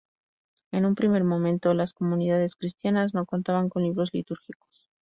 En un primer momento las comunidades cristianas no contaban con libros litúrgicos.